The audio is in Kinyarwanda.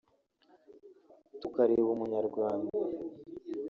tukareba Umunyarwanda